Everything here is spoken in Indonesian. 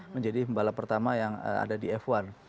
menjadi pembalap pertama yang ada di f satu